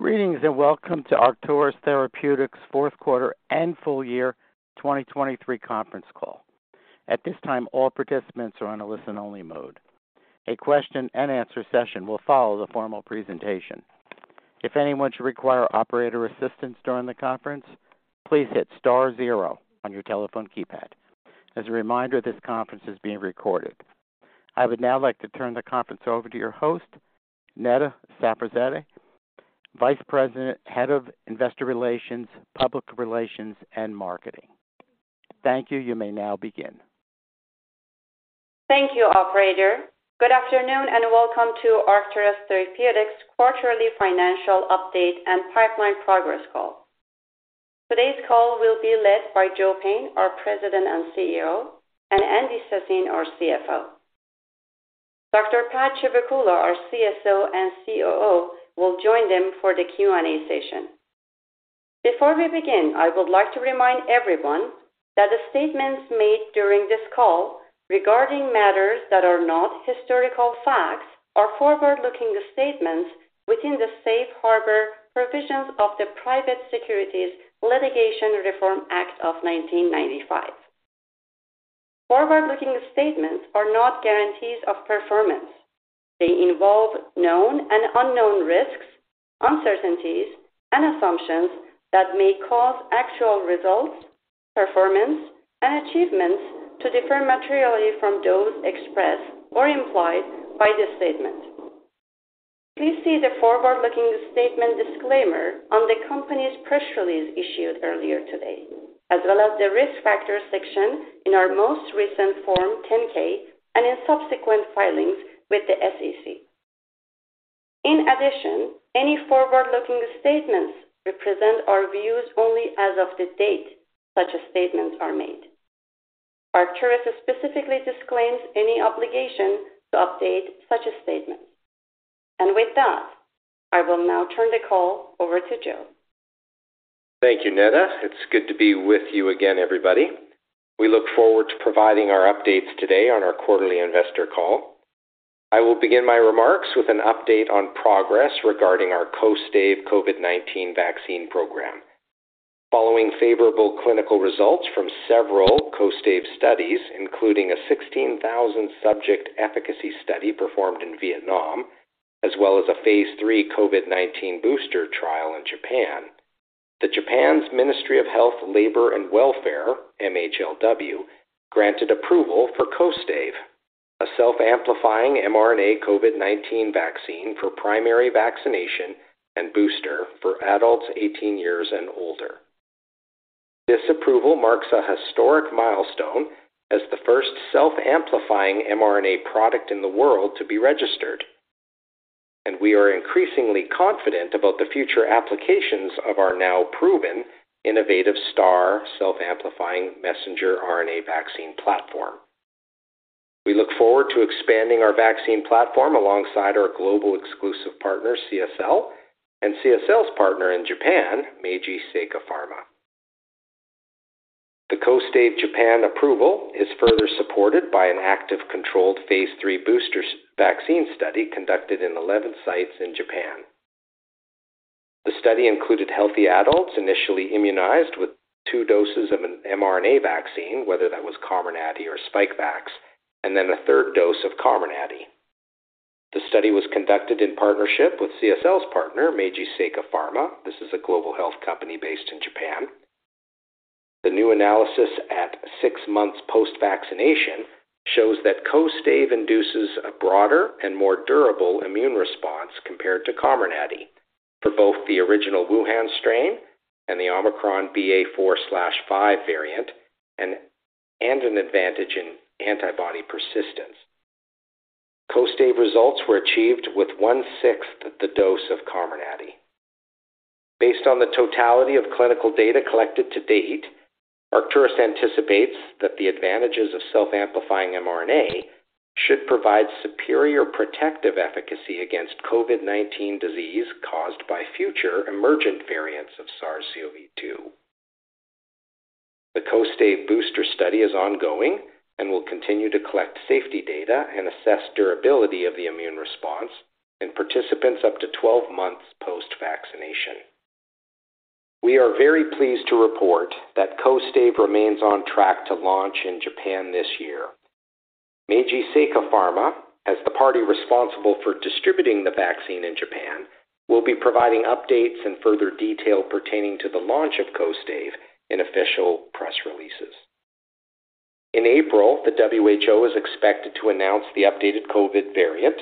Greetings and welcome to Arcturus Therapeutics' Fourth Quarter and Full Year 2023 Conference Call. At this time, all participants are on a listen-only mode. A Question and Answer session will follow the formal presentation. If anyone should require operator assistance during the conference, please hit star zero on your telephone keypad. As a reminder, this conference is being recorded. I would now like to turn the conference over to your host, Neda Safarzadeh, Vice President, Head of Investor Relations, Public Relations, and Marketing. Thank you. You may now begin. Thank you, Operator. Good afternoon and welcome to Arcturus Therapeutics' quarterly financial update and pipeline progress call. Today's call will be led by Joe Payne, our President and CEO, and Andy Sassine, our CFO. Dr. Pad Chivukula, our CSO and COO, will join them for the Q&A session. Before we begin, I would like to remind everyone that the statements made during this call regarding matters that are not historical facts are forward-looking statements within the Safe Harbor provisions of the Private Securities Litigation Reform Act of 1995. Forward-looking statements are not guarantees of performance. They involve known and unknown risks, uncertainties, and assumptions that may cause actual results, performance, and achievements to differ materially from those expressed or implied by the statement. Please see the forward-looking statement disclaimer on the company's press release issued earlier today, as well as the risk factors section in our most recent Form 10-K, and in subsequent filings with the SEC. In addition, any forward-looking statements represent our views only as of the date such statements are made. Arcturus specifically disclaims any obligation to update such statements. With that, I will now turn the call over to Joe. Thank you, Neda. It's good to be with you again, everybody. We look forward to providing our updates today on our quarterly investor call. I will begin my remarks with an update on progress regarding our KOSTAIVE® COVID-19 vaccine program. Following favorable clinical results from several KOSTAIVE® studies, including a 16,000-subject efficacy study performed in Vietnam, as well as a phase III COVID-19 booster trial in Japan, Japan's Ministry of Health, Labor, and Welfare (MHLW) granted approval for KOSTAIVE®, a self-amplifying mRNA COVID-19 vaccine for primary vaccination and booster for adults 18 years and older. This approval marks a historic milestone as the first self-amplifying mRNA product in the world to be registered, and we are increasingly confident about the future applications of our now proven, innovative STARR® self-amplifying messenger RNA vaccine platform. We look forward to expanding our vaccine platform alongside our global exclusive partner, CSL, and CSL's partner in Japan, Meiji Seika Pharma. The KOSTAIVE® Japan approval is further supported by an active controlled phase III booster vaccine study conducted in 11 sites in Japan. The study included healthy adults initially immunized with two doses of an mRNA vaccine, whether that was Comirnaty or Spikevax, and then a third dose of Comirnaty. The study was conducted in partnership with CSL's partner, Meiji Seika Pharma. This is a global health company based in Japan. The new analysis at six months post-vaccination shows that KOSTAIVE® induces a broader and more durable immune response compared to Comirnaty for both the original Wuhan strain and the Omicron BA.4/5 variant, and an advantage in antibody persistence. KOSTAIVE® results were achieved with one-sixth the dose of Comirnaty. Based on the totality of clinical data collected to date, Arcturus anticipates that the advantages of self-amplifying mRNA should provide superior protective efficacy against COVID-19 disease caused by future emergent variants of SARS-CoV-2. The KOSTAIVE® booster study is ongoing and will continue to collect safety data and assess durability of the immune response in participants up to 12 months post-vaccination. We are very pleased to report that KOSTAIVE® remains on track to launch in Japan this year. Meiji Seika Pharma, as the party responsible for distributing the vaccine in Japan, will be providing updates and further detail pertaining to the launch of KOSTAIVE® in official press releases. In April, the WHO is expected to announce the updated COVID variant,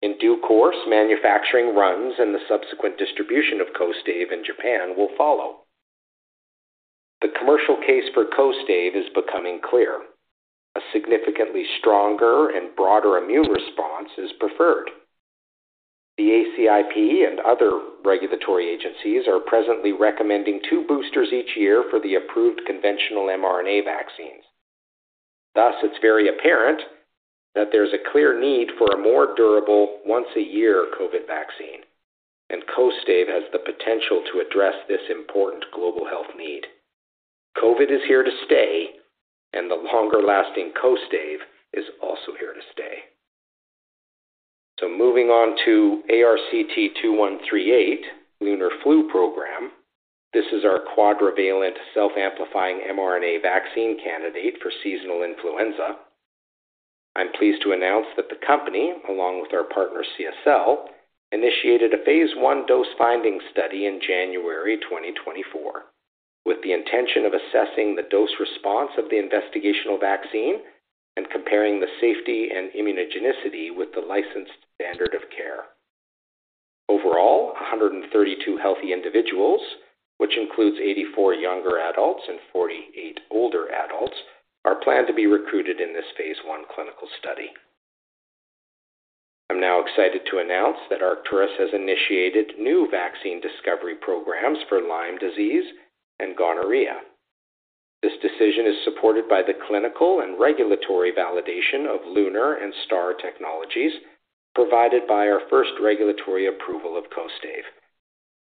and in due course, manufacturing runs and the subsequent distribution of KOSTAIVE® in Japan will follow. The commercial case for KOSTAIVE® is becoming clear: a significantly stronger and broader immune response is preferred. The ACIP and other regulatory agencies are presently recommending two boosters each year for the approved conventional mRNA vaccines. Thus, it's very apparent that there's a clear need for a more durable once-a-year COVID vaccine, and KOSTAIVE® has the potential to address this important global health need. COVID is here to stay, and the longer-lasting KOSTAIVE® is also here to stay. So moving on to ARCT-2138, LUNAR Flu Program, this is our quadrivalent self-amplifying mRNA vaccine candidate for seasonal influenza. I'm pleased to announce that the company, along with our partner CSL, initiated a phase I dose-finding study in January 2024, with the intention of assessing the dose response of the investigational vaccine and comparing the safety and immunogenicity with the licensed standard of care. Overall, 132 healthy individuals, which includes 84 younger adults and 48 older adults, are planned to be recruited in this phase I clinical study. I'm now excited to announce that Arcturus has initiated new vaccine discovery programs for Lyme disease and gonorrhea. This decision is supported by the clinical and regulatory validation of LUNAR and STARR technologies provided by our first regulatory approval of KOSTAIVE.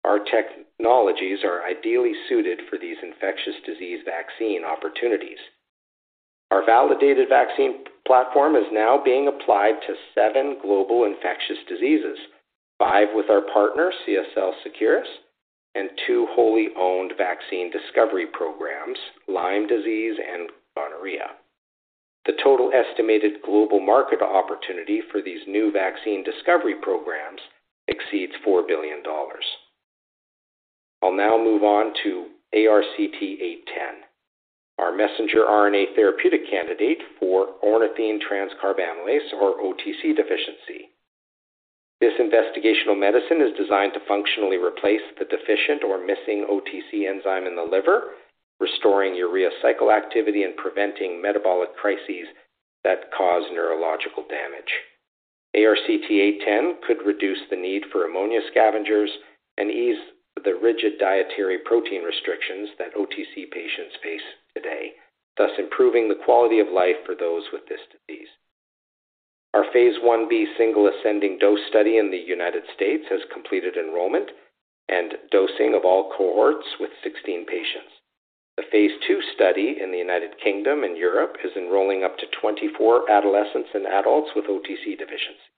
Our technologies are ideally suited for these infectious disease vaccine opportunities. Our validated vaccine platform is now being applied to seven global infectious diseases, five with our partner CSL Seqirus, and two wholly owned vaccine discovery programs, Lyme disease and gonorrhea. The total estimated global market opportunity for these new vaccine discovery programs exceeds $4 billion. I'll now move on to ARCT-810, our messenger RNA therapeutic candidate for ornithine transcarbamylase or OTC deficiency. This investigational medicine is designed to functionally replace the deficient or missing OTC enzyme in the liver, restoring urea cycle activity and preventing metabolic crises that cause neurological damage. ARCT-810 could reduce the need for ammonia scavengers and ease the rigid dietary protein restrictions that OTC patients face today, thus improving the quality of life for those with this disease. Our phase I-B single ascending dose study in the United States has completed enrollment and dosing of all cohorts with 16 patients. The phase II study in the United Kingdom and Europe is enrolling up to 24 adolescents and adults with OTC deficiency.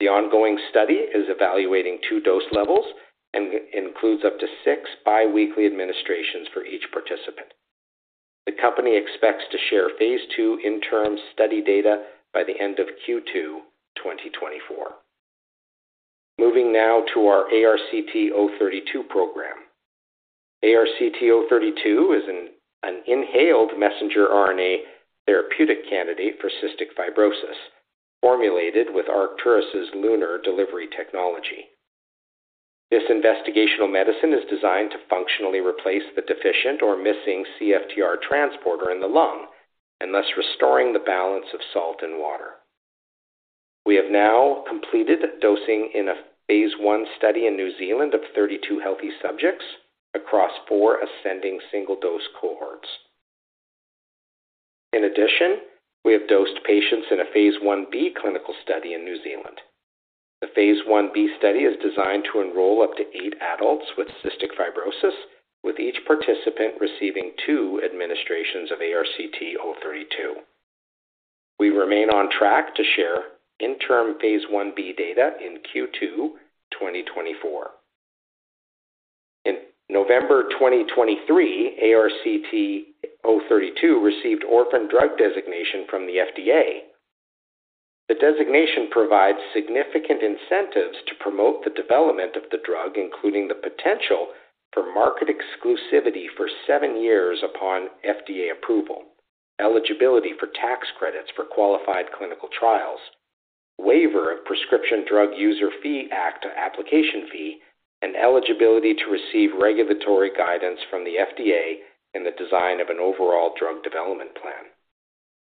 The ongoing study is evaluating two dose levels and includes up to six biweekly administrations for each participant. The company expects to share phase II interim study data by the end of Q2 2024. Moving now to our ARCT-032 program. ARCT-032 is an inhaled messenger RNA therapeutic candidate for cystic fibrosis, formulated with Arcturus's LUNAR delivery technology. This investigational medicine is designed to functionally replace the deficient or missing CFTR transporter in the lung, and thus restoring the balance of salt and water. We have now completed dosing in a phase I study in New Zealand of 32 healthy subjects across 4 ascending single dose cohorts. In addition, we have dosed patients in a phase I-B clinical study in New Zealand. The phase I-B study is designed to enroll up to 8 adults with cystic fibrosis, with each participant receiving 2 administrations of ARCT-032. We remain on track to share interim phase I-B data in Q2 2024. In November 2023, ARCT-032 received orphan drug designation from the FDA. The designation provides significant incentives to promote the development of the drug, including the potential for market exclusivity for seven years upon FDA approval, eligibility for tax credits for qualified clinical trials, waiver of Prescription Drug User Fee Act application fee, and eligibility to receive regulatory guidance from the FDA in the design of an overall drug development plan.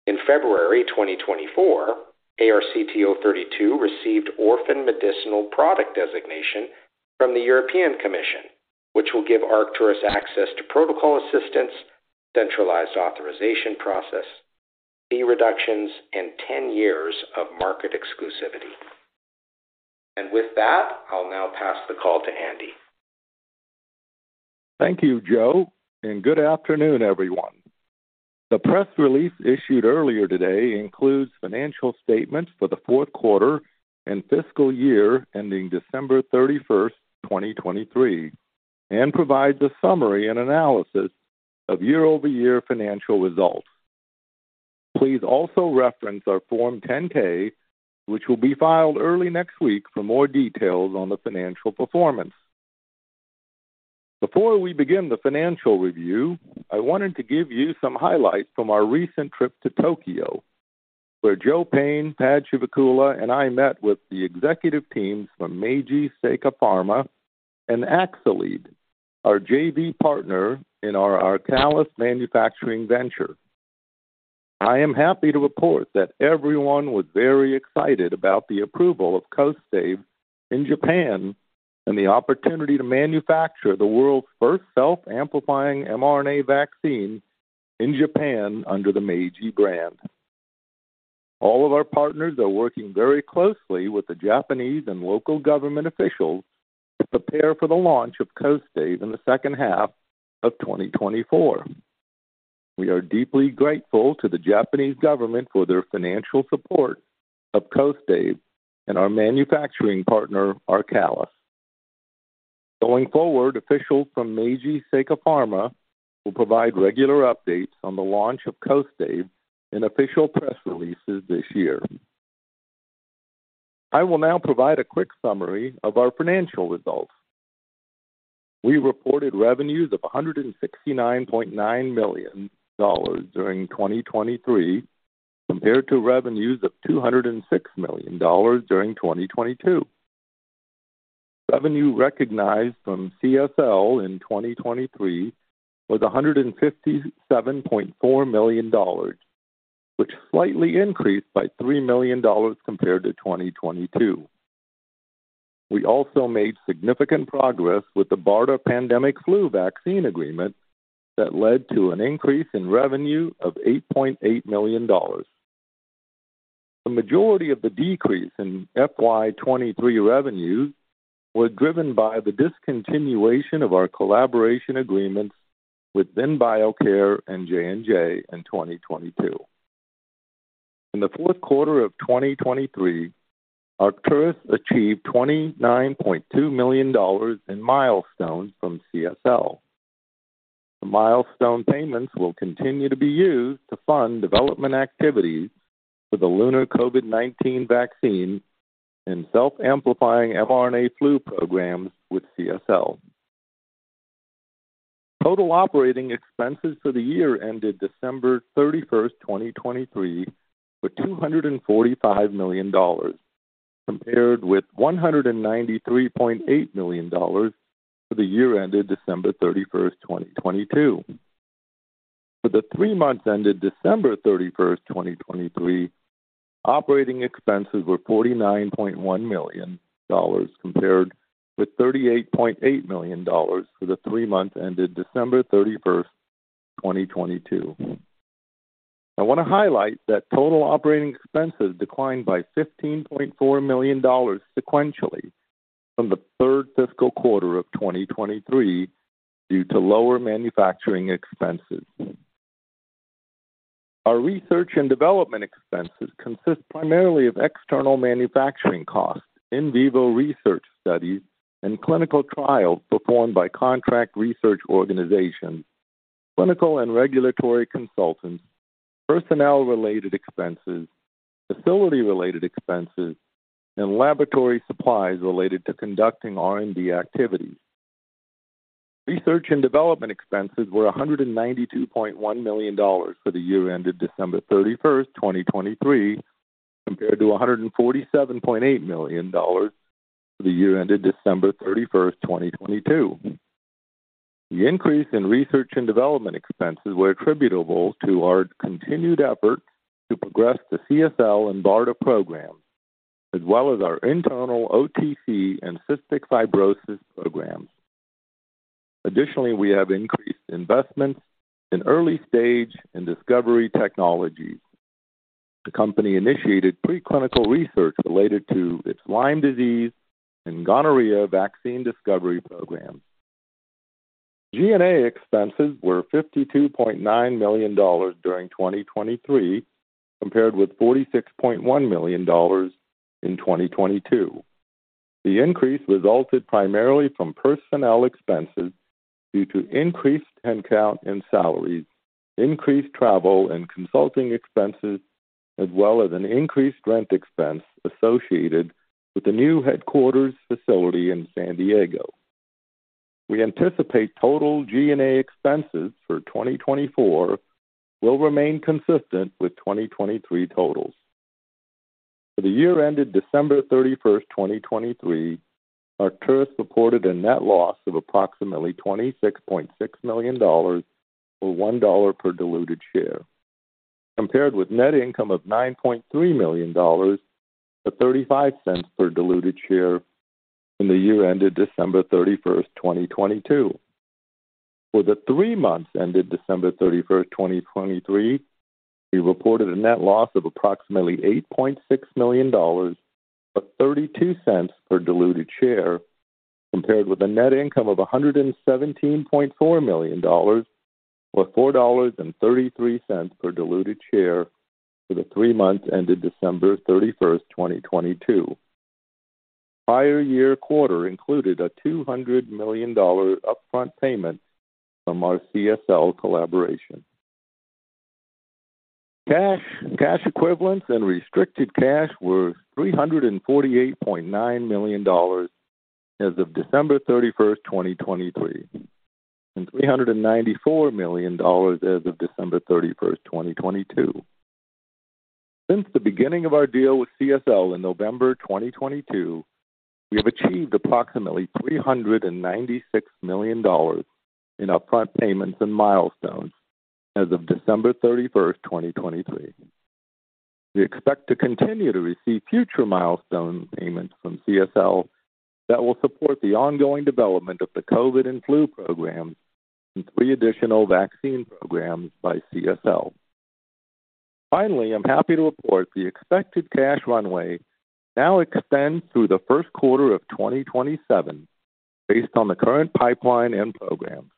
In February 2024, ARCT-032 received orphan medicinal product designation from the European Commission, which will give Arcturus access to protocol assistance, centralized authorization process, fee reductions, and 10 years of market exclusivity. With that, I'll now pass the call to Andy. Thank you, Joe, and good afternoon, everyone. The press release issued earlier today includes financial statements for the fourth quarter and fiscal year ending December 31, 2023, and provides a summary and analysis of Year-over-Year Financial Results. Please also reference our form 10-K, which will be filed early next week for more details on the financial performance. Before we begin the financial review, I wanted to give you some highlights from our recent trip to Tokyo, where Joe Payne, Pad Chivukula, and I met with the executive teams from Meiji Seika Pharma and ARCALIS, our JV partner in our ARCALIS manufacturing venture. I am happy to report that everyone was very excited about the approval of KOSTAIVE® in Japan and the opportunity to manufacture the world's first self-amplifying mRNA vaccine in Japan under the Meiji brand. All of our partners are working very closely with the Japanese and local government officials to prepare for the launch of KOSTAIVE® in the second half of 2024. We are deeply grateful to the Japanese government for their financial support of KOSTAIVE® and our manufacturing partner ARCALIS. Going forward, officials from Meiji Seika Pharma will provide regular updates on the launch of KOSTAIVE® in official press releases this year. I will now provide a quick summary of our financial results. We reported revenues of $169.9 million during 2023 compared to revenues of $206 million during 2022. Revenue recognized from CSL in 2023 was $157.4 million, which slightly increased by $3 million compared to 2022. We also made significant progress with the BARDA pandemic flu vaccine agreement that led to an increase in revenue of $8.8 million. The majority of the decrease in FY23 revenues was driven by the discontinuation of our collaboration agreements with VinBioCare and J&J in 2022. In the fourth quarter of 2023, Arcturus achieved $29.2 million in milestones from CSL. The milestone payments will continue to be used to fund development activities for the LUNAR COVID-19 vaccine and self-amplifying mRNA flu programs with CSL. Total operating expenses for the year ended December 31, 2023, were $245 million compared with $193.8 million for the year ended December 31, 2022. For the three months ended December 31, 2023, operating expenses were $49.1 million compared with $38.8 million for the three months ended December 31, 2022. I want to highlight that total operating expenses declined by $15.4 million sequentially from the third fiscal quarter of 2023 due to lower manufacturing expenses. Our research and development expenses consist primarily of external manufacturing costs, in vivo research studies, and clinical trials performed by contract research organizations, clinical and regulatory consultants, personnel-related expenses, facility-related expenses, and laboratory supplies related to conducting R&D activities. Research and development expenses were $192.1 million for the year ended December 31, 2023, compared to $147.8 million for the year ended December 31, 2022. The increase in research and development expenses was attributable to our continued efforts to progress the CSL and BARDA programs, as well as our internal OTC and cystic fibrosis programs. Additionally, we have increased investments in early-stage and discovery technologies. The company initiated preclinical research related to its Lyme disease and gonorrhea vaccine discovery programs. G&A expenses were $52.9 million during 2023 compared with $46.1 million in 2022. The increase resulted primarily from personnel expenses due to increased headcount and salaries, increased travel and consulting expenses, as well as an increased rent expense associated with the new headquarters facility in San Diego. We anticipate total G&A expenses for 2024 will remain consistent with 2023 totals. For the year ended December 31, 2023, Arcturus reported a net loss of approximately $26.6 million or $1 per diluted share, compared with net income of $9.3 million or $0.35 per diluted share in the year ended December 31, 2022. For the three months ended December 31, 2023, we reported a net loss of approximately $8.6 million or $0.32 per diluted share, compared with a net income of $117.4 million or $4.33 per diluted share for the three months ended December 31, 2022. The prior year quarter included a $200 million upfront payment from our CSL collaboration. Cash equivalents and restricted cash were $348.9 million as of December 31, 2023, and $394 million as of December 31, 2022. Since the beginning of our deal with CSL in November 2022, we have achieved approximately $396 million in upfront payments and milestones as of December 31, 2023. We expect to continue to receive future milestone payments from CSL that will support the ongoing development of the COVID and flu programs and three additional vaccine programs by CSL. Finally, I'm happy to report the expected cash runway now extends through the first quarter of 2027 based on the current pipeline and programs.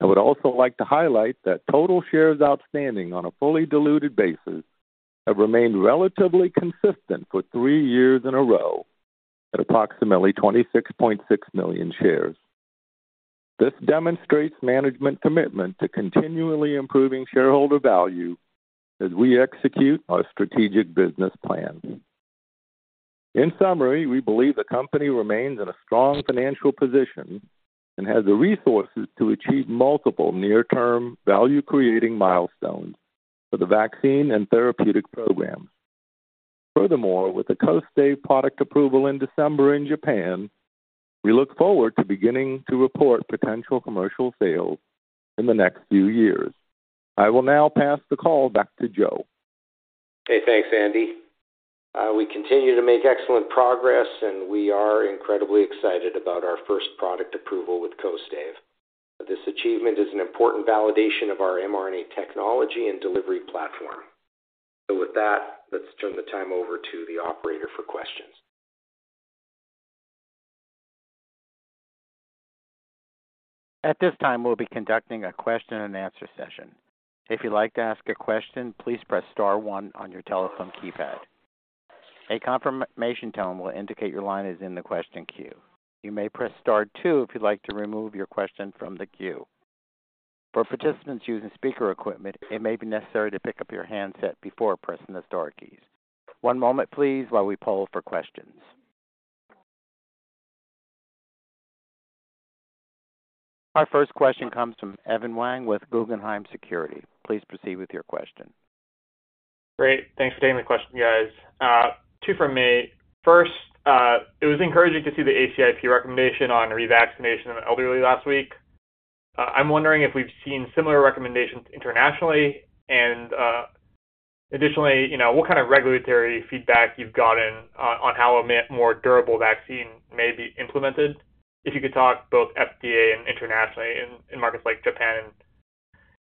I would also like to highlight that total shares outstanding on a fully diluted basis have remained relatively consistent for three years in a row at approximately 26.6 million shares. This demonstrates management commitment to continually improving shareholder value as we execute our strategic business plan. In summary, we believe the company remains in a strong financial position and has the resources to achieve multiple near-term value-creating milestones for the vaccine and therapeutic programs. Furthermore, with the KOSTAIVE® product approval in December in Japan, we look forward to beginning to report potential commercial sales in the next few years. I will now pass the call back to Joe. Hey, thanks, Andy. We continue to make excellent progress, and we are incredibly excited about our first product approval with KOSTAIVE. This achievement is an important validation of our mRNA technology and delivery platform. So with that, let's turn the time over to the operator for questions. At this time, we'll be conducting a question-and-answer session. If you'd like to ask a question, please press star 1 on your telephone keypad. A confirmation tone will indicate your line is in the question queue. You may press star 2 if you'd like to remove your question from the queue. For participants using speaker equipment, it may be necessary to pick up your handset before pressing the star keys. One moment, please, while we poll for questions. Our first question comes from Evan Wang with Guggenheim Securities. Please proceed with your question. Great. Thanks for taking the question, guys. Two from me. First, it was encouraging to see the ACIP recommendation on revaccination of the elderly last week. I'm wondering if we've seen similar recommendations internationally. And additionally, what kind of regulatory feedback you've gotten on how a more durable vaccine may be implemented, if you could talk both FDA and internationally in markets like Japan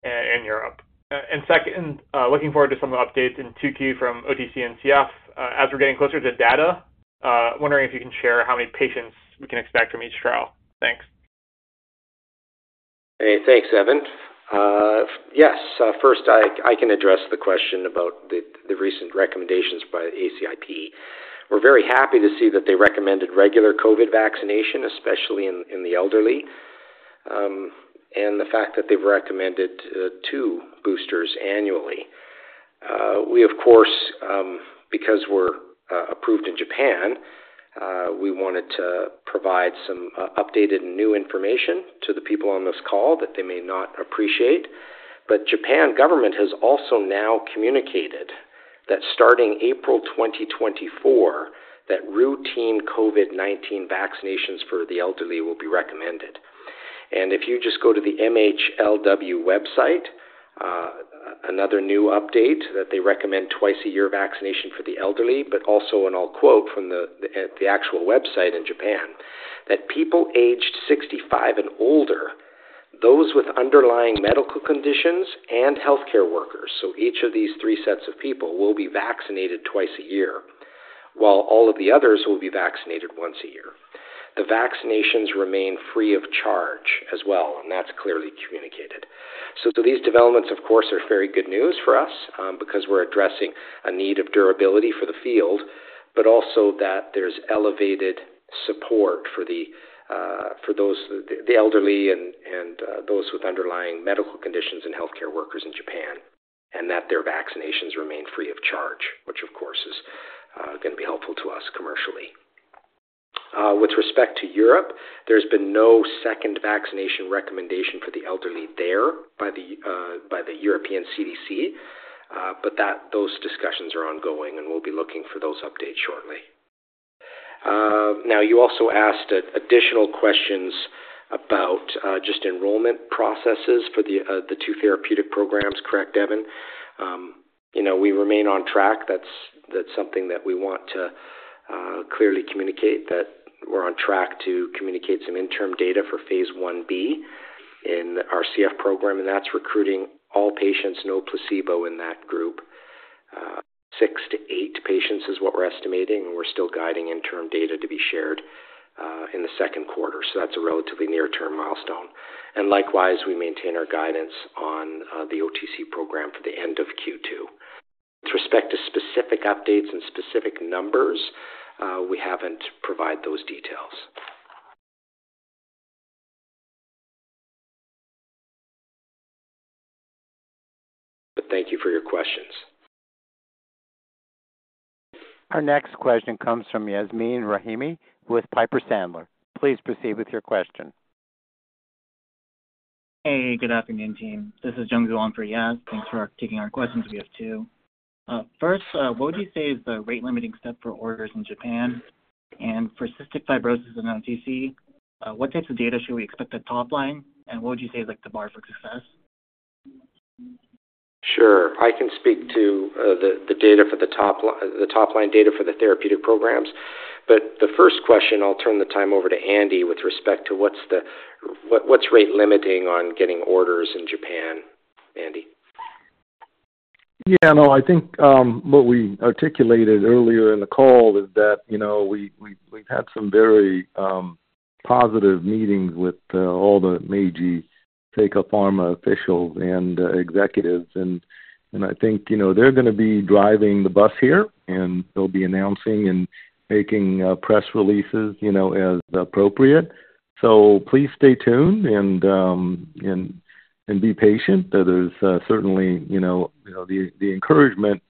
and Europe. And second, looking forward to some updates in 2Q from OTC and CF. As we're getting closer to data, wondering if you can share how many patients we can expect from each trial. Thanks. Hey, thanks, Evan. Yes. First, I can address the question about the recent recommendations by the ACIP. We're very happy to see that they recommended regular COVID vaccination, especially in the elderly, and the fact that they've recommended two boosters annually. We, of course, because we're approved in Japan, we wanted to provide some updated and new information to the people on this call that they may not appreciate. But Japan government has also now communicated that starting April 2024, that routine COVID-19 vaccinations for the elderly will be recommended. If you just go to the MHLW website, another new update that they recommend twice a year vaccination for the elderly, but also an old quote from the actual website in Japan, that people aged 65 and older, those with underlying medical conditions, and healthcare workers, so each of these three sets of people will be vaccinated twice a year, while all of the others will be vaccinated once a year. The vaccinations remain free of charge as well, and that's clearly communicated. So these developments, of course, are very good news for us because we're addressing a need of durability for the field, but also that there's elevated support for the elderly and those with underlying medical conditions and healthcare workers in Japan, and that their vaccinations remain free of charge, which, of course, is going to be helpful to us commercially. With respect to Europe, there's been no second vaccination recommendation for the elderly there by the European CDC, but those discussions are ongoing, and we'll be looking for those updates shortly. Now, you also asked additional questions about just enrollment processes for the two therapeutic programs, correct, Evan? We remain on track. That's something that we want to clearly communicate, that we're on track to communicate some interim data for phase I-B in our CF program, and that's recruiting all patients, no placebo in that group. 6-8 patients is what we're estimating, and we're still guiding interim data to be shared in the second quarter. So that's a relatively near-term milestone. And likewise, we maintain our guidance on the OTC program for the end of Q2. With respect to specific updates and specific numbers, we haven't provided those details. But thank you for your questions. Our next question comes from Yasmeen Rahimi with Piper Sandler. Please proceed with your question. Hey, good afternoon, team. This is Jung-gu for Yaz. Thanks for taking our questions. We have two. First, what would you say is the rate-limiting step for orders in Japan? And for cystic fibrosis in OTC, what types of data should we expect at top line, and what would you say is the bar for success? Sure. I can speak to the data for the top line data for the therapeutic programs. But the first question, I'll turn the time over to Andy with respect to what's rate-limiting on getting orders in Japan, Andy. Yeah. No, I think what we articulated earlier in the call is that we've had some very positive meetings with all the Meiji Seika Pharma officials and executives. And I think they're going to be driving the bus here, and they'll be announcing and making press releases as appropriate. So please stay tuned and be patient. There's certainly the encouragement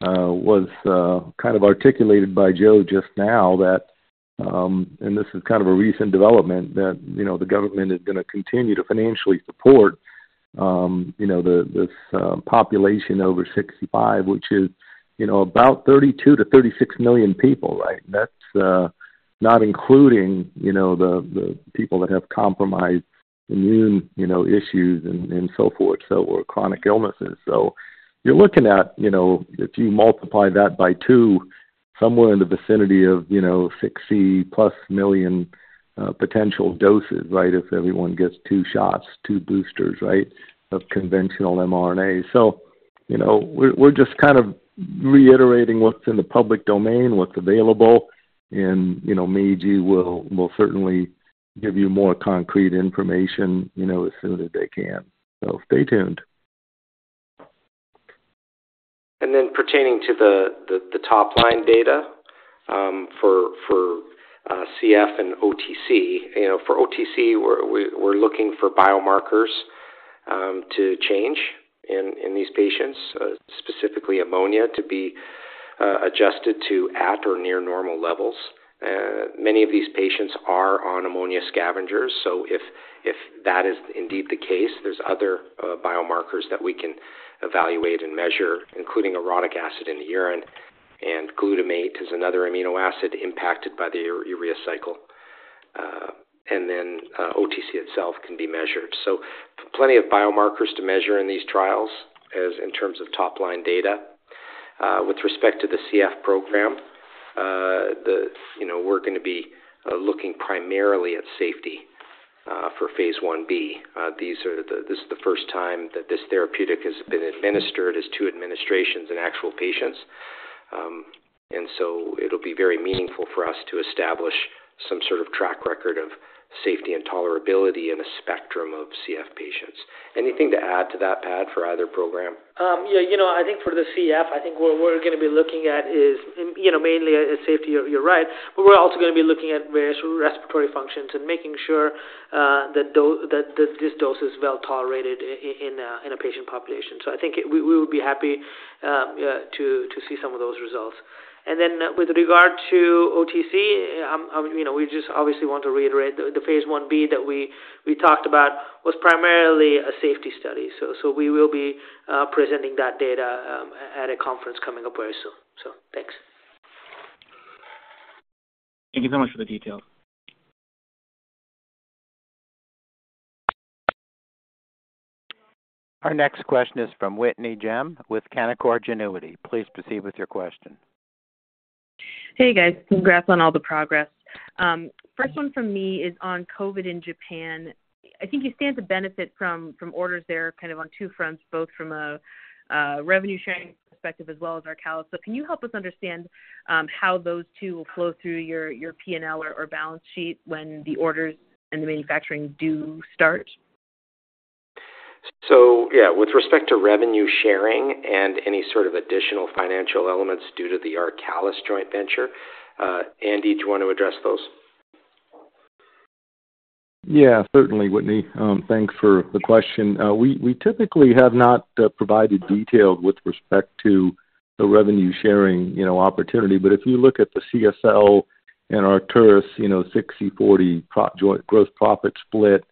was kind of articulated by Joe just now, and this is kind of a recent development, that the government is going to continue to financially support this population over 65, which is about 32-36 million people, right? That's not including the people that have compromised immune issues and so forth, so or chronic illnesses. So you're looking at if you multiply that by two, somewhere in the vicinity of 60+ million potential doses, right, if everyone gets two shots, two boosters, right, of conventional mRNA. We're just kind of reiterating what's in the public domain, what's available. Meiji will certainly give you more concrete information as soon as they can. Stay tuned. Pertaining to the top line data for CF and OTC, for OTC, we're looking for biomarkers to change in these patients, specifically ammonia, to be adjusted to at or near normal levels. Many of these patients are on ammonia scavengers. So if that is indeed the case, there's other biomarkers that we can evaluate and measure, including uric acid in the urine, and glutamate is another amino acid impacted by the urea cycle. And then OTC itself can be measured. So plenty of biomarkers to measure in these trials in terms of top line data. With respect to the CF program, we're going to be looking primarily at safety for phase I-B. This is the first time that this therapeutic has been administered as two administrations in actual patients. And so it'll be very meaningful for us to establish some sort of track record of safety and tolerability in a spectrum of CF patients. Anything to add to that, Pad, for either program? Yeah. I think for the CF, I think what we're going to be looking at is mainly safety. You're right. But we're also going to be looking at various respiratory functions and making sure that this dose is well tolerated in a patient population. So I think we would be happy to see some of those results. And then with regard to OTC, we just obviously want to reiterate the phase I-B that we talked about was primarily a safety study. So we will be presenting that data at a conference coming up very soon. So thanks. Thank you so much for the details. Our next question is from Whitney Ijem with Canaccord Genuity. Please proceed with your question. Hey, guys. Congrats on all the progress. First one from me is on COVID in Japan. I think you stand to benefit from orders there kind of on two fronts, both from a revenue-sharing perspective as well as ARCALIS. So can you help us understand how those two will flow through your P&L or balance sheet when the orders and the manufacturing do start? So yeah, with respect to revenue sharing and any sort of additional financial elements due to the ARCALIS joint venture, Andy, do you want to address those? Yeah, certainly, Whitney. Thanks for the question. We typically have not provided details with respect to the revenue-sharing opportunity. But if you look at the CSL and Arcturus 60/40 joint growth profit split,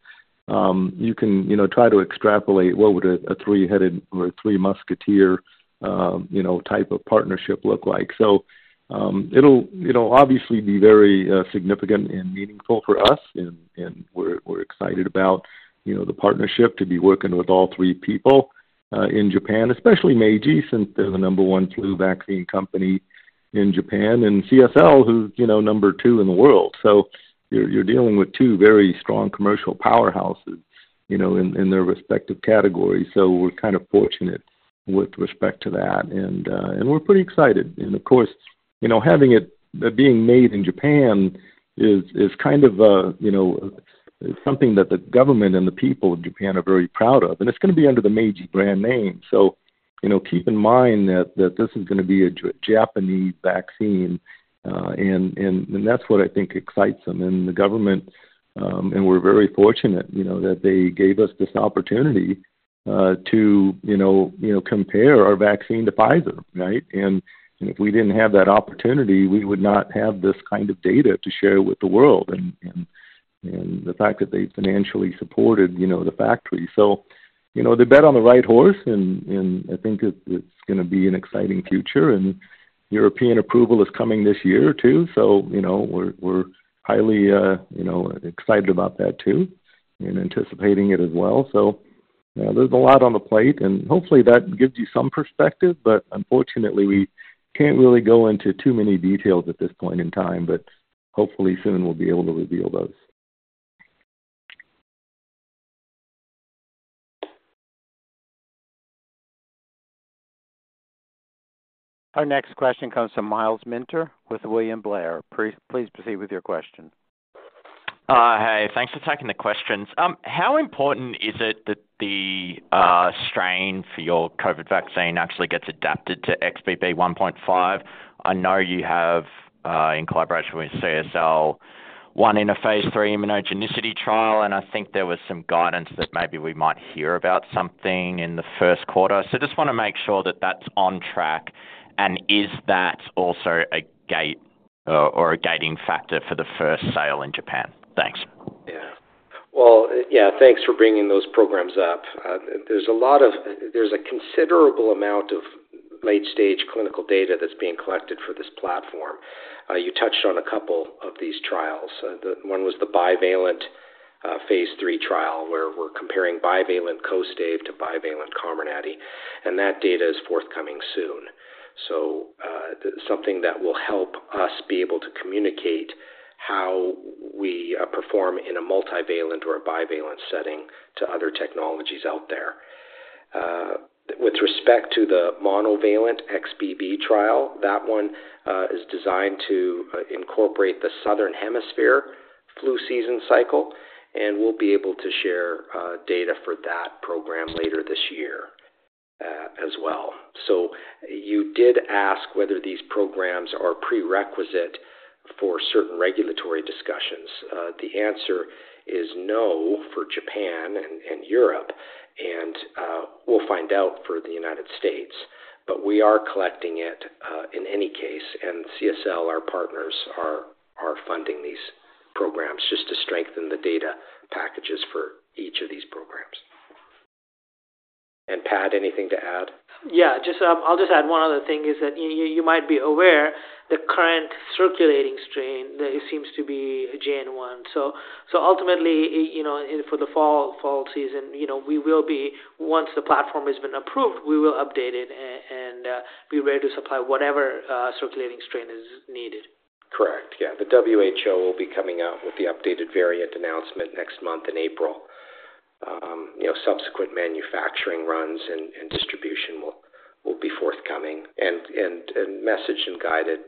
you can try to extrapolate what would a three-headed or a three-musketeer type of partnership look like. So it'll obviously be very significant and meaningful for us, and we're excited about the partnership to be working with all three people in Japan, especially Meiji, since they're the number one flu vaccine company in Japan, and CSL, who's number two in the world. So you're dealing with two very strong commercial powerhouses in their respective categories. So we're kind of fortunate with respect to that, and we're pretty excited. And of course, having it being made in Japan is kind of something that the government and the people of Japan are very proud of. And it's going to be under the Meiji brand name. So keep in mind that this is going to be a Japanese vaccine, and that's what I think excites them. And the government and we're very fortunate that they gave us this opportunity to compare our vaccine to Pfizer, right? And if we didn't have that opportunity, we would not have this kind of data to share with the world and the fact that they financially supported the factory. So they bet on the right horse, and I think it's going to be an exciting future. And European approval is coming this year too. So we're highly excited about that too and anticipating it as well. So there's a lot on the plate, and hopefully, that gives you some perspective. But unfortunately, we can't really go into too many details at this point in time. Hopefully, soon, we'll be able to reveal those. Our next question comes from Myles Minter with William Blair. Please proceed with your question. Hey. Thanks for taking the questions. How important is it that the strain for your COVID vaccine actually gets adapted to XBB.1.5? I know you have, in collaboration with CSL, won in a phase III immunogenicity trial, and I think there was some guidance that maybe we might hear about something in the first quarter. So I just want to make sure that that's on track. And is that also a gate or a gating factor for the first sale in Japan? Thanks. Yeah. Well, yeah, thanks for bringing those programs up. There's a considerable amount of late-stage clinical data that's being collected for this platform. You touched on a couple of these trials. One was the bivalent phase III trial where we're comparing bivalent KOSTAIVE to bivalent Comirnaty, and that data is forthcoming soon. So something that will help us be able to communicate how we perform in a multivalent or a bivalent setting to other technologies out there. With respect to the monovalent XBB trial, that one is designed to incorporate the southern hemisphere flu season cycle, and we'll be able to share data for that program later this year as well. So you did ask whether these programs are prerequisite for certain regulatory discussions. The answer is no for Japan and Europe, and we'll find out for the United States. We are collecting it in any case, and CSL, our partners, are funding these programs just to strengthen the data packages for each of these programs. Pad, anything to add? Yeah. I'll just add one other thing: that you might be aware, the current circulating strain. It seems to be JN.1. So ultimately, for the fall season, we will, once the platform has been approved, update it and be ready to supply whatever circulating strain is needed. Correct. Yeah. The WHO will be coming out with the updated variant announcement next month in April. Subsequent manufacturing runs and distribution will be forthcoming and messaged and guided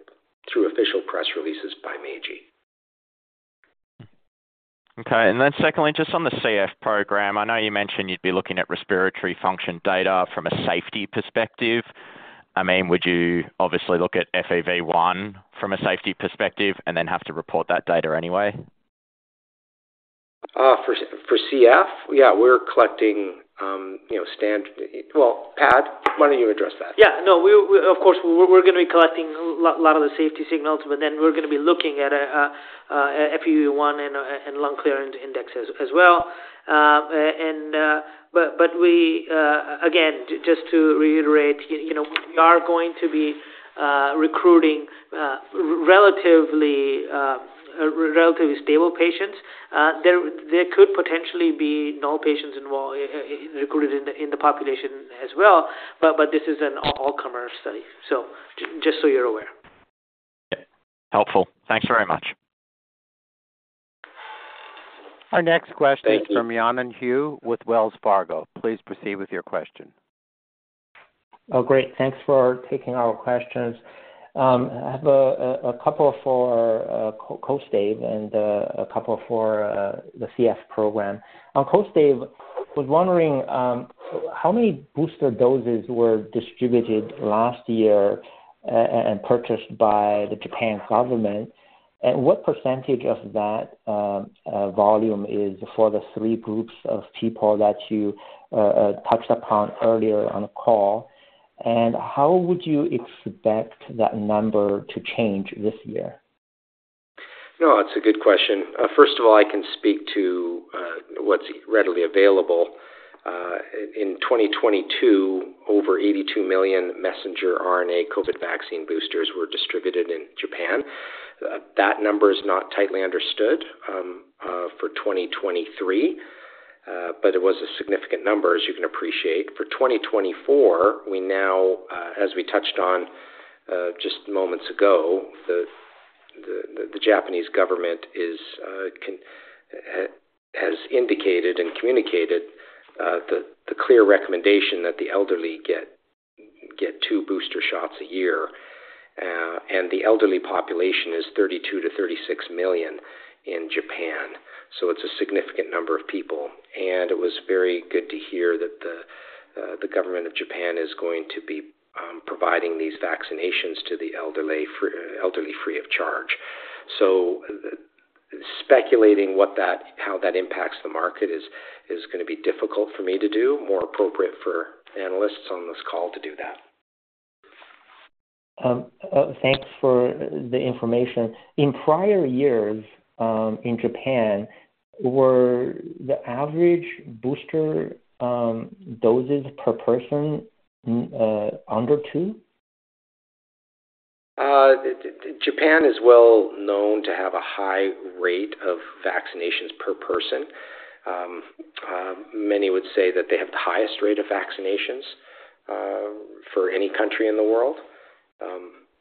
through official press releases by Meiji. Okay. And then secondly, just on the CF program, I know you mentioned you'd be looking at respiratory function data from a safety perspective. I mean, would you obviously look at FEV1 from a safety perspective and then have to report that data anyway? For CF, yeah, we're collecting standard, well, Pad, why don't you address that? Yeah. No, of course, we're going to be collecting a lot of the safety signals, but then we're going to be looking at FEV1 and lung clearance index as well. But again, just to reiterate, we are going to be recruiting relatively stable patients. There could potentially be null patients recruited in the population as well, but this is an all-comers study, just so you're aware. Okay. Helpful. Thanks very much. Our next question is from Leigh Anne Hughes with Wells Fargo. Please proceed with your question. Oh, great. Thanks for taking our questions. I have a couple for KOSTAIVE and a couple for the CF program. On KOSTAIVE, I was wondering how many booster doses were distributed last year and purchased by the Japanese government, and what percentage of that volume is for the three groups of people that you touched upon earlier on the call? How would you expect that number to change this year? No, it's a good question. First of all, I can speak to what's readily available. In 2022, over 82 million messenger RNA COVID vaccine boosters were distributed in Japan. That number is not tightly understood for 2023, but it was a significant number, as you can appreciate. For 2024, we now, as we touched on just moments ago, the Japanese government has indicated and communicated the clear recommendation that the elderly get two booster shots a year. And the elderly population is 32 to 36 million in Japan. So it's a significant number of people. And it was very good to hear that the government of Japan is going to be providing these vaccinations to the elderly free of charge. So speculating how that impacts the market is going to be difficult for me to do. More appropriate for analysts on this call to do that. Thanks for the information. In prior years in Japan, were the average booster doses per person under two? Japan is well known to have a high rate of vaccinations per person. Many would say that they have the highest rate of vaccinations for any country in the world,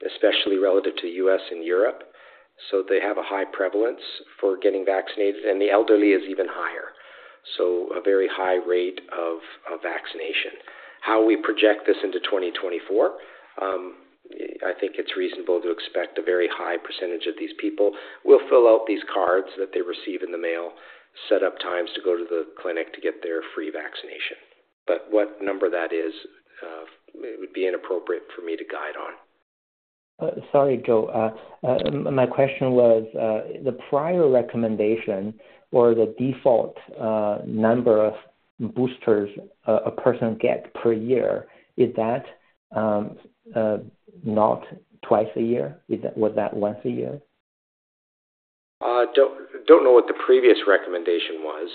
especially relative to the U.S. and Europe. So they have a high prevalence for getting vaccinated, and the elderly is even higher. So a very high rate of vaccination. How we project this into 2024, I think it's reasonable to expect a very high percentage of these people will fill out these cards that they receive in the mail, set up times to go to the clinic to get their free vaccination. But what number that is, it would be inappropriate for me to guide on. Sorry, Joe. My question was, the prior recommendation or the default number of boosters a person gets per year, is that not twice a year? Was that once a year? Don't know what the previous recommendation was.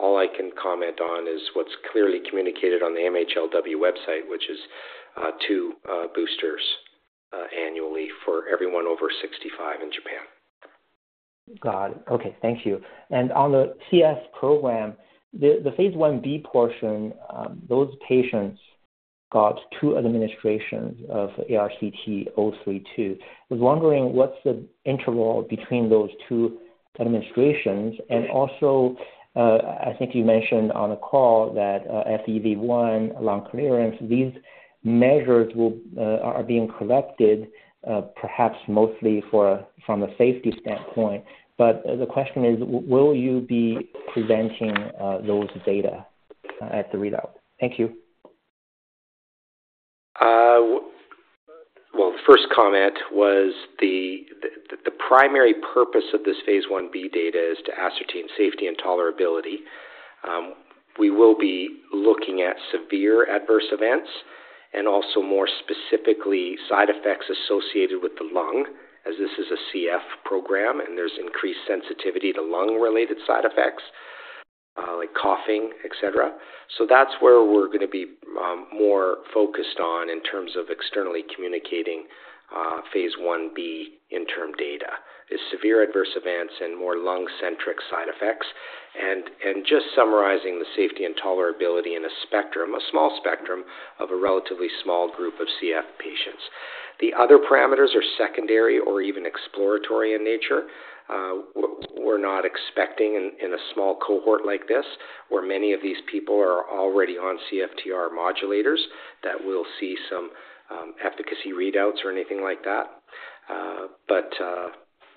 All I can comment on is what's clearly communicated on the MHLW website, which is two boosters annually for everyone over 65 in Japan. Got it. Okay. Thank you. And on the CF program, the phase I-B portion, those patients got two administrations of ARCT-032. I was wondering what's the interval between those two administrations. And also, I think you mentioned on the call that FEV1, lung clearance, these measures are being collected perhaps mostly from a safety standpoint. But the question is, will you be presenting those data at the readout? Thank you. Well, the first comment was the primary purpose of this phase I-B data is to ascertain safety and tolerability. We will be looking at severe adverse events and also more specifically side effects associated with the lung as this is a CF program, and there's increased sensitivity to lung-related side effects like coughing, etc. So that's where we're going to be more focused on in terms of externally communicating phase I-B interim data, is severe adverse events and more lung-centric side effects, and just summarizing the safety and tolerability in a small spectrum of a relatively small group of CF patients. The other parameters are secondary or even exploratory in nature. We're not expecting in a small cohort like this where many of these people are already on CFTR modulators that we'll see some efficacy readouts or anything like that. But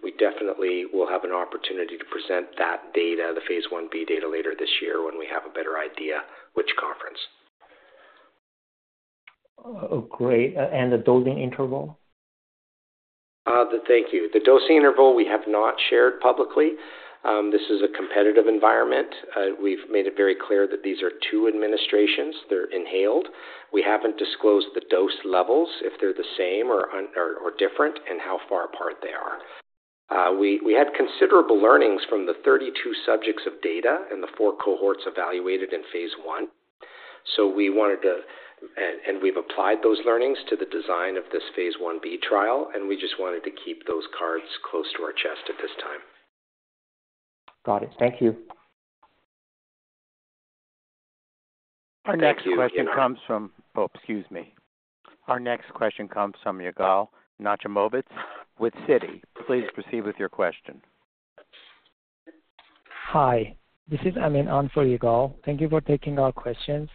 we definitely will have an opportunity to present that data, the phase I-B data, later this year when we have a better idea which conference. Oh, great. And the dosing interval? Thank you. The dosing interval, we have not shared publicly. This is a competitive environment. We've made it very clear that these are 2 administrations. They're inhaled. We haven't disclosed the dose levels if they're the same or different and how far apart they are. We had considerable learnings from the 32 subjects of data and the 4 cohorts evaluated in phase I. So we wanted to and we've applied those learnings to the design of this phase I-B trial, and we just wanted to keep those cards close to our chest at this time. Got it. Thank you. Our next question comes from Yigal Nochomovitz with Citi. Please proceed with your question. Hi. This is Yigal Nochomovitz. Thank you for taking our questions.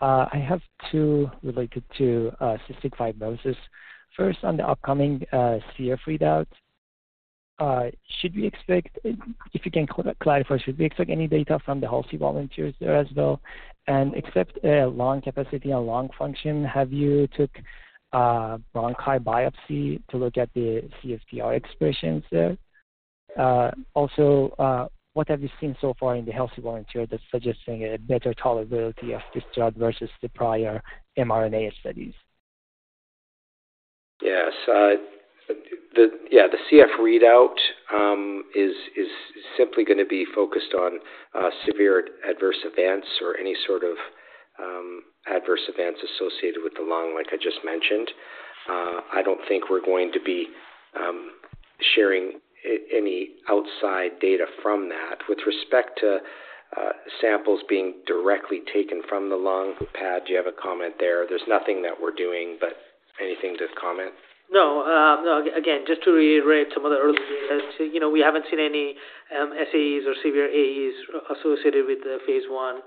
I have two related to cystic fibrosis. First, on the upcoming CF readout, should we expect, if you can clarify, should we expect any data from the healthy volunteers there as well? And except lung capacity and lung function, have you took bronchi biopsy to look at the CFTR expressions there? Also, what have you seen so far in the healthy volunteer that's suggesting a better tolerability of this drug versus the prior mRNA studies? Yes. Yeah, the CF readout is simply going to be focused on severe adverse events or any sort of adverse events associated with the lung, like I just mentioned. I don't think we're going to be sharing any outside data from that with respect to samples being directly taken from the lung. Pad, do you have a comment there? There's nothing that we're doing, but anything to comment? No. No. Again, just to reiterate some of the earlier data, we haven't seen any SAEs or severe AEs associated with phase I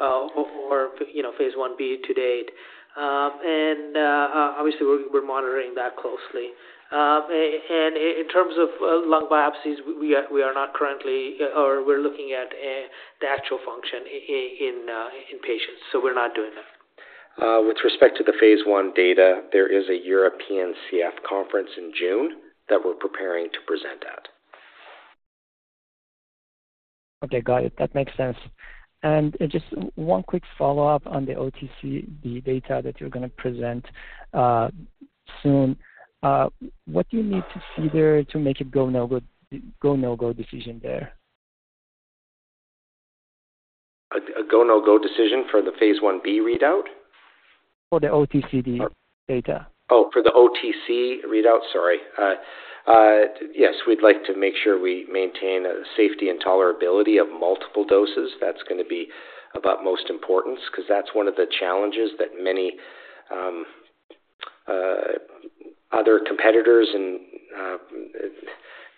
or phase I-B to date. And obviously, we're monitoring that closely. And in terms of lung biopsies, we are not currently, or we're looking at the actual function in patients, so we're not doing that. With respect to the phase I data, there is a European CF conference in June that we're preparing to present at. Okay. Got it. That makes sense. Just one quick follow-up on the OTC data that you're going to present soon. What do you need to see there to make a go-no-go decision there? A go-no-go decision for the phase I-B readout? For the OTC data? Oh, for the OTC readout. Sorry. Yes, we'd like to make sure we maintain a safety and tolerability of multiple doses. That's going to be of utmost importance because that's one of the challenges that many other competitors and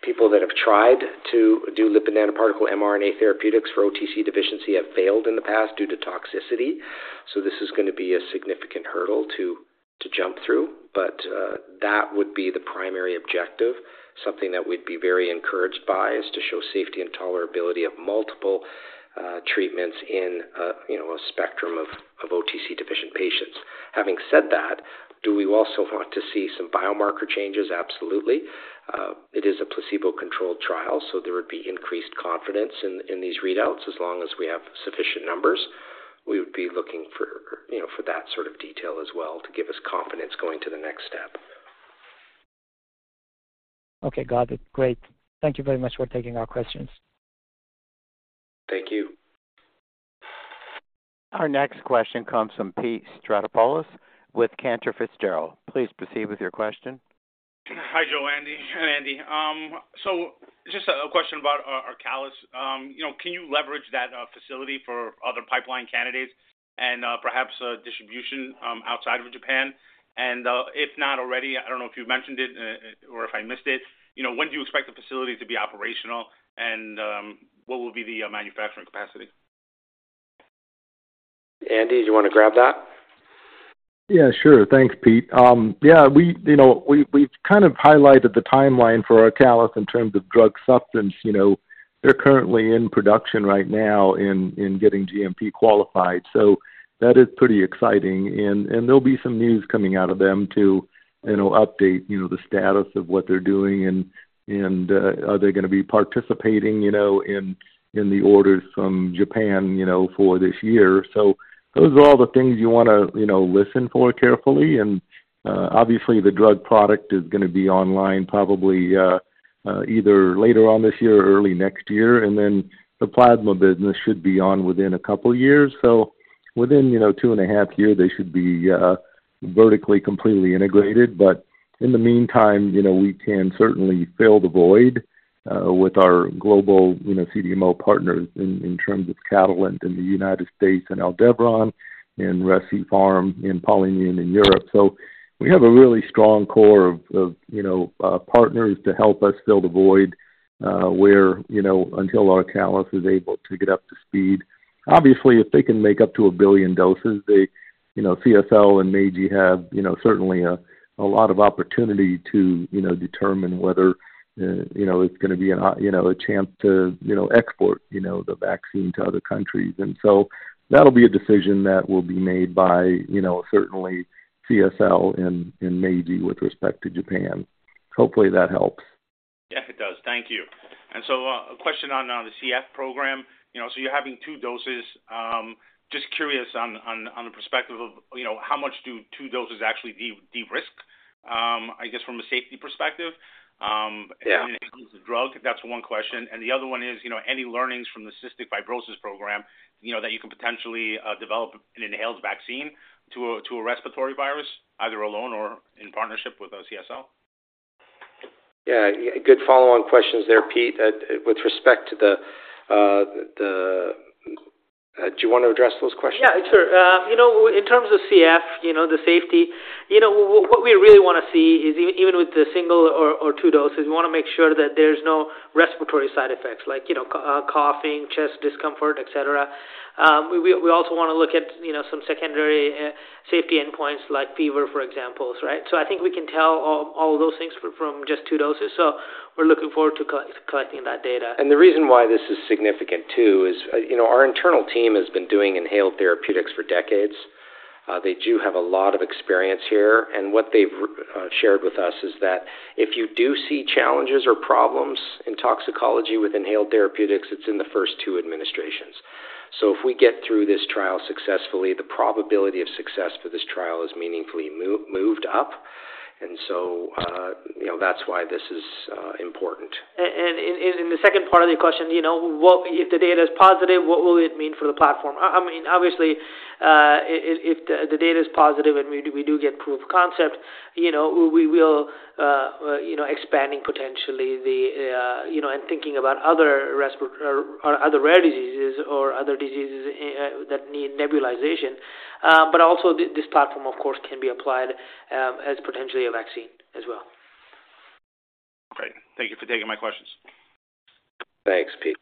people that have tried to do lipid nanoparticle mRNA therapeutics for OTC deficiency have failed in the past due to toxicity. So this is going to be a significant hurdle to jump through, but that would be the primary objective. Something that we'd be very encouraged by is to show safety and tolerability of multiple treatments in a spectrum of OTC-deficient patients. Having said that, do we also want to see some biomarker changes? Absolutely. It is a placebo-controlled trial, so there would be increased confidence in these readouts as long as we have sufficient numbers. We would be looking for that sort of detail as well to give us confidence going to the next step. Okay. Got it. Great. Thank you very much for taking our questions. Thank you. Our next question comes from Pete Stavropoulos with Cantor Fitzgerald. Please proceed with your question. Hi, Joe. Andy. So just a question about ARCALIS. Can you leverage that facility for other pipeline candidates and perhaps distribution outside of Japan? And if not already, I don't know if you mentioned it or if I missed it. When do you expect the facility to be operational, and what will be the manufacturing capacity? Andy, do you want to grab that? Yeah, sure. Thanks, Pete. Yeah, we've kind of highlighted the timeline for ARCALIS in terms of drug substance. They're currently in production right now in getting GMP qualified, so that is pretty exciting. And there'll be some news coming out of them to update the status of what they're doing. And are they going to be participating in the orders from Japan for this year? So those are all the things you want to listen for carefully. And obviously, the drug product is going to be online probably either later on this year or early next year. And then the plasma business should be on within a couple of years. So within two and a half years, they should be vertically completely integrated. But in the meantime, we can certainly fill the void with our global CDMO partners in terms of Catalent in the United States and Aldevron and Recipharm in Poland in Europe. So we have a really strong core of partners to help us fill the void until ARCALIS is able to get up to speed. Obviously, if they can make up to 1 billion doses, CSL and Meiji have certainly a lot of opportunity to determine whether it's going to be a chance to export the vaccine to other countries. And so that'll be a decision that will be made by certainly CSL and Meiji with respect to Japan. Hopefully, that helps. Yes, it does. Thank you. And so a question on the CF program. So you're having two doses. Just curious on the perspective of how much do two doses actually de-risk, I guess, from a safety perspective? Is it an inhaled drug? That's one question. And the other one is, any learnings from the cystic fibrosis program that you can potentially develop an inhaled vaccine to a respiratory virus, either alone or in partnership with CSL? Yeah. Good follow-on questions there, Pete, with respect to the. Do you want to address those questions? Yeah, sure. In terms of CF, the safety, what we really want to see is even with the 1 or 2 doses, we want to make sure that there's no respiratory side effects like coughing, chest discomfort, etc. We also want to look at some secondary safety endpoints like fever, for example, right? So I think we can tell all of those things from just 2 doses. So we're looking forward to collecting that data. The reason why this is significant too is our internal team has been doing inhaled therapeutics for decades. They do have a lot of experience here. What they've shared with us is that if you do see challenges or problems in toxicology with inhaled therapeutics, it's in the first two administrations. If we get through this trial successfully, the probability of success for this trial is meaningfully moved up. That's why this is important. In the second part of the question, if the data is positive, what will it mean for the platform? I mean, obviously, if the data is positive and we do get proof of concept, we will expand potentially and thinking about other rare diseases or other diseases that need nebulization. But also, this platform, of course, can be applied as potentially a vaccine as well. Great. Thank you for taking my questions. Thanks, Pete.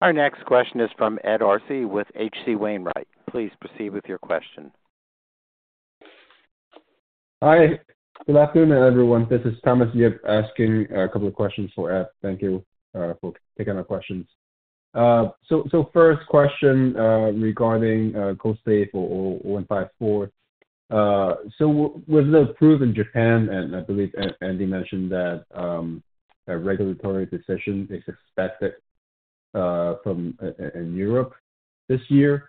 Our next question is from Ed Arce with H.C. Wainwright. Please proceed with your question. Hi. Good afternoon, everyone. This is Thomas Yip asking a couple of questions for Ed. Thank you for taking my questions. So first question regarding KOSTAIVE or 154. So with the approval in Japan, and I believe Andy mentioned that a regulatory decision is expected in Europe this year,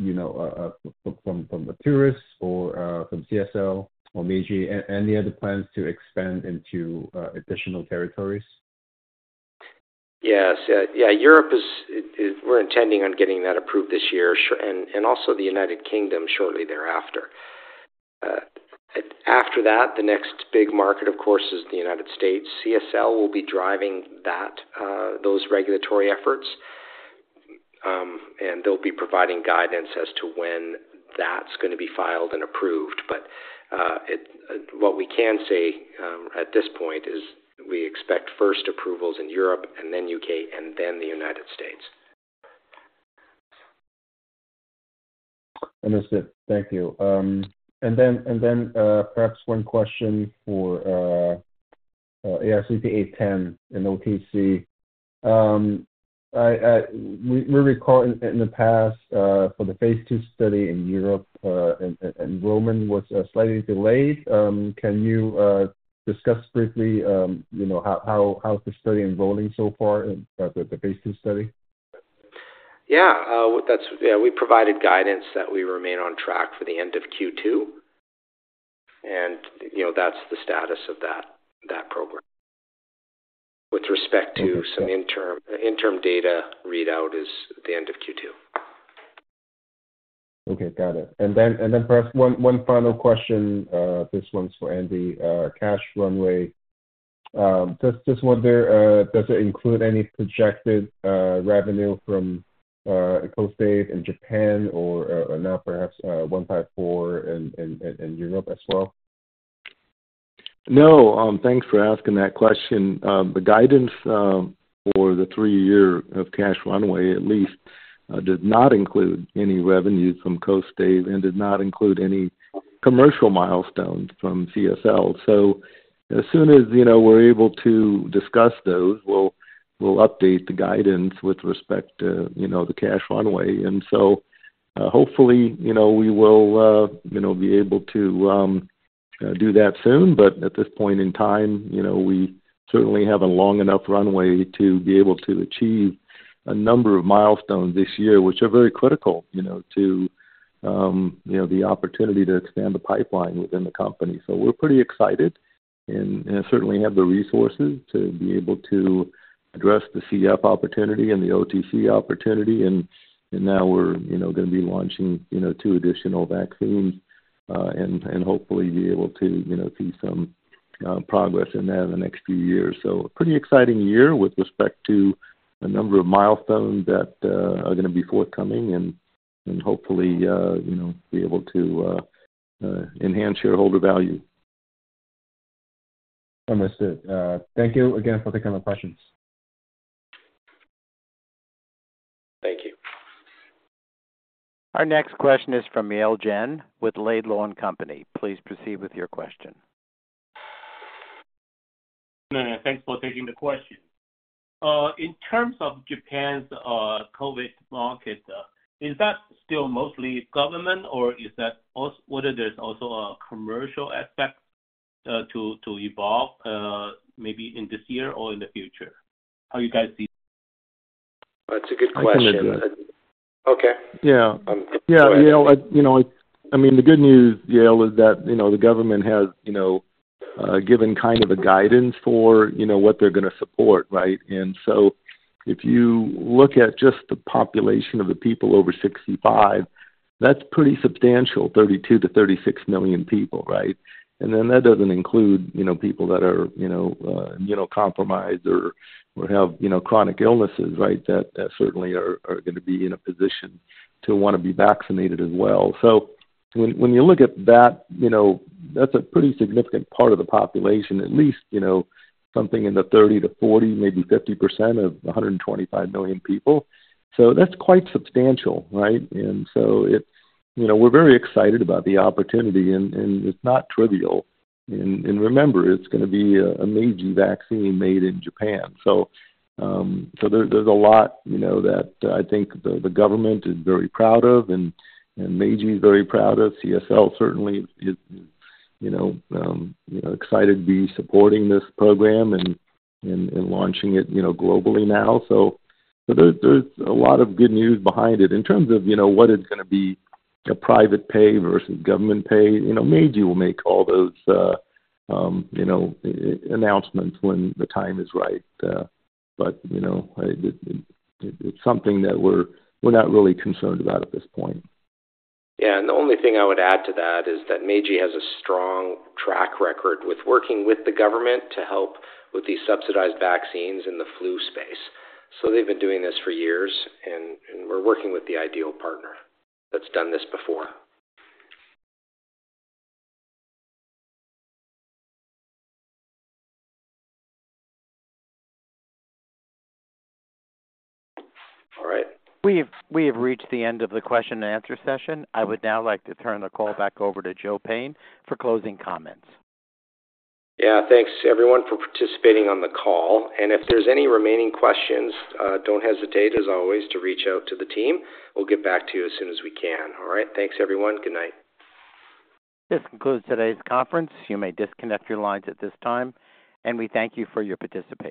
are there any plans by either from Arcturus or from CSL or Meiji, any other plans to expand into additional territories? Yes. Yeah, we're intending on getting that approved this year and also the United Kingdom shortly thereafter. After that, the next big market, of course, is the United States. CSL will be driving those regulatory efforts, and they'll be providing guidance as to when that's going to be filed and approved. But what we can say at this point is we expect first approvals in Europe and then U.K. and then the United States. Understood. Thank you. And then perhaps one question for ARCT-810 and OTC. We recall in the past, for the phase II study in Europe, enrollment was slightly delayed. Can you discuss briefly how the study is enrolling so far, the phase II study? Yeah. Yeah, we provided guidance that we remain on track for the end of Q2, and that's the status of that program. With respect to some interim data, readout is the end of Q2. Okay. Got it. And then perhaps one final question. This one's for Andy, cash runway. Just wonder, does it include any projected revenue from KOSTAIVE in Japan or now perhaps ARCT-154 in Europe as well? No. Thanks for asking that question. The guidance for the three-year cash runway, at least, did not include any revenue from KOSTAIVE and did not include any commercial milestones from CSL. So as soon as we're able to discuss those, we'll update the guidance with respect to the cash runway. So hopefully, we will be able to do that soon. But at this point in time, we certainly have a long enough runway to be able to achieve a number of milestones this year, which are very critical to the opportunity to expand the pipeline within the company. So we're pretty excited and certainly have the resources to be able to address the CF opportunity and the OTC opportunity. And now we're going to be launching two additional vaccines and hopefully be able to see some progress in that in the next few years. Pretty exciting year with respect to a number of milestones that are going to be forthcoming and hopefully be able to enhance shareholder value. Understood. Thank you again for taking my questions. Thank you. Our next question is from Yale Jen with Laidlaw & Company. Please proceed with your question. Thanks for taking the question. In terms of Japan's COVID market, is that still mostly government, or whether there's also a commercial aspect to evolve maybe in this year or in the future? How do you guys see that? That's a good question. Okay. Yeah. Yeah. I mean, the good news, Yale, is that the government has given kind of a guidance for what they're going to support, right? And so if you look at just the population of the people over 65, that's pretty substantial, 32-36 million people, right? And then that doesn't include people that are immunocompromised or have chronic illnesses, right, that certainly are going to be in a position to want to be vaccinated as well. So when you look at that, that's a pretty significant part of the population, at least something in the 30% to 40%, maybe 50% of 125 million people. So that's quite substantial, right? And so we're very excited about the opportunity, and it's not trivial. And remember, it's going to be an mRNA vaccine made in Japan. So there's a lot that I think the government is very proud of, and Meiji is very proud of. CSL certainly is excited to be supporting this program and launching it globally now. So there's a lot of good news behind it in terms of what is going to be a private pay versus government pay. Meiji will make all those announcements when the time is right. But it's something that we're not really concerned about at this point. Yeah. And the only thing I would add to that is that Meiji has a strong track record with working with the government to help with these subsidized vaccines in the flu space. So they've been doing this for years, and we're working with the ideal partner that's done this before. All right. We have reached the end of the question-and-answer session. I would now like to turn the call back over to Joe Payne for closing comments. Yeah. Thanks, everyone, for participating on the call. If there's any remaining questions, don't hesitate, as always, to reach out to the team. We'll get back to you as soon as we can. All right. Thanks, everyone. Good night. This concludes today's conference. You may disconnect your lines at this time. We thank you for your participation.